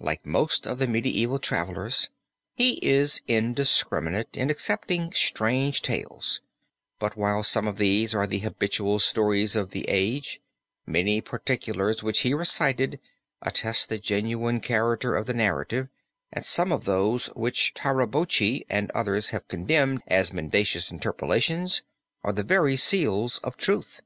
Like most of the medieval travelers, he is indiscriminating in accepting strange tales; but while some of these are the habitual stories of the age, many particulars which he recited attest the genuine character of the narrative, and some of those which Tiraboschi and others have condemned as mendacious interpolations are the very seals of truth."